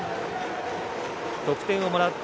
得点をもらった